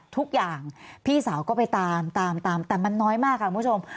ทุกอย่างพี่สาวก็ไปตามตามแต่มันน้อยมากค่ะคุณผู้ชม